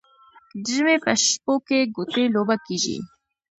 د ژمي په شپو کې ګوتې لوبه کیږي.